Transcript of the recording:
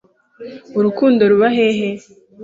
Urukundo ruba hehe?